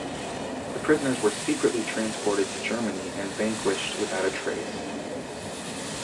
The prisoners were secretly transported to Germany, and vanished without a trace.